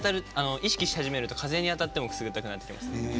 意識し始めると風に当たってもくすぐったくなっちゃいます。